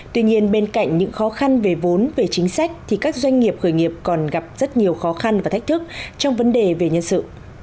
tuy nhiên bên cạnh những khó khăn về vốn về chính sách thì các doanh nghiệp khởi nghiệp còn gặp rất nhiều khó khăn và thách thức trong vấn đề về nhân sự